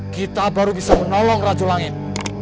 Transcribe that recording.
kita baru bisa menolong racu langit